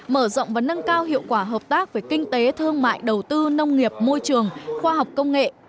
mở rộng và nâng cao hiệu quả hợp tác về kinh tế thương mại đầu tư nông nghiệp môi trường khoa học công nghệ